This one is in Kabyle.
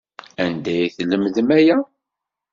Anda ay lemden aya?